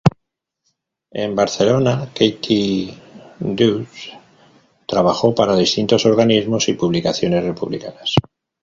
En Barcelona, Kati Deutsch trabajó para distintos organismos y publicaciones republicanas.